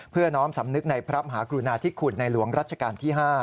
น้อมสำนึกในพระมหากรุณาธิคุณในหลวงรัชกาลที่๕